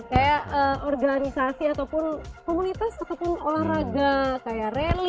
kayak organisasi ataupun komunitas ataupun olahraga kayak rally